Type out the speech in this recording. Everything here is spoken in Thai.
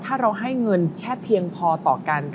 ถ้าเราให้เงินแค่เพียงพอต่อกัน